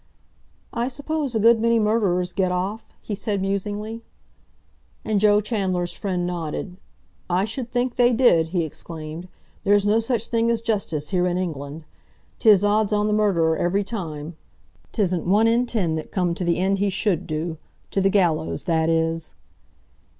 "I suppose a good many murderers get off?" he said musingly. And Joe Chandler's friend nodded. "I should think they did!" he exclaimed. "There's no such thing as justice here in England. 'Tis odds on the murderer every time. 'Tisn't one in ten that come to the end he should do—to the gallows, that is."